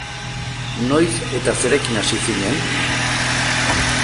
Noiz eta zerekin hasi zinen?